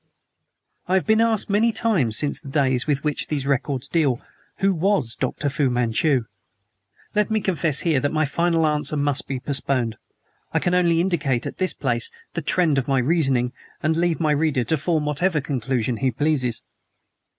I have been asked many times since the days with which these records deal: Who WAS Dr. Fu Manchu? Let me confess here that my final answer must be postponed. I can only indicate, at this place, the trend of my reasoning, and leave my reader to form whatever conclusion he pleases.